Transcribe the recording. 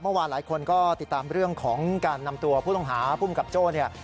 เมื่อวานหลายคนก็ติดตามเรื่องของการนำตัวผู้ต้องหาภูมิกับโจ้เนี่ย